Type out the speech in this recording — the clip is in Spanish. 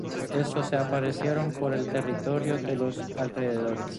Estos se esparcieron por el territorio de los alrededores.